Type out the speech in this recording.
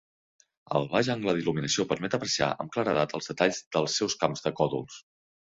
El baix angle d'il·luminació permet apreciar amb claredat els detalls dels seus camps de còdols.